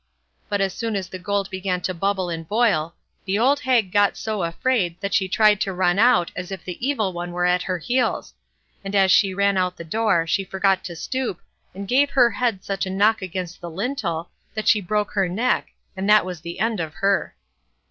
But as soon as the gold began to bubble and boil, the old hag got so afraid that she tried to run out as if the Evil One were at her heels; and as she ran out at the door, she forgot to stoop, and gave her head such a knock against the lintel, that she broke her neck, and that was the end of her.